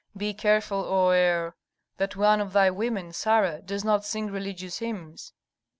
Be careful, O heir, that one of thy women, Sarah, does not sing religious hymns."